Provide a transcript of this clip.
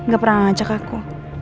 gak pernah ngacak aku